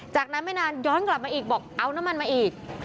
จากนั้นไม่นานย้อนกลับมาอีกบอกเอาน้ำมันมาอีก